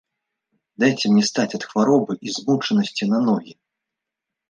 Дайце мне стаць ад хваробы і змучанасці на ногі.